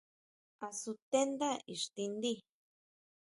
¿Á sutendá íxtiʼndí?